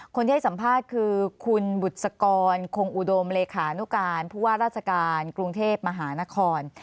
คนที่ให้สัมภาษณ์คือคุณบุษกรคงอุดมเลขานุการผู้ว่าราชการกรุงเทพมหานคร